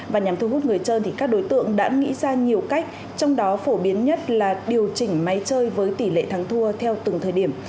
và nhằm thu hút người chơi thì các đối tượng đã nghĩ ra nhiều cách trong đó phổ biến nhất là điều chỉnh máy chơi với tỷ lệ thắng thua theo từng thời điểm